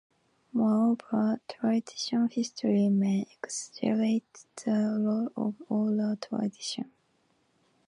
Moreover, tradition history may exaggerate the role of oral tradition.